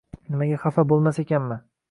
Nimaga xafa bo‘lmas ekanman?